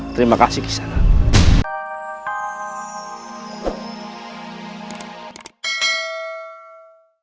terima kasih kisana